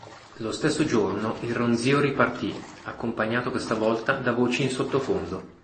Lo stesso giorno il ronzio ripartì, accompagnato questa volta da voci in sottofondo.